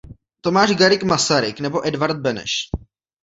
Tomáš Garrigue Masaryk nebo Edvard Beneš.